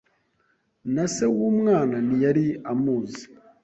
na se w’umwana ntiyari amuzi